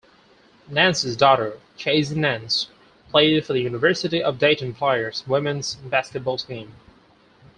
Nance's daughter, Casey Nance, played for the University of Dayton Flyers women's basketball team.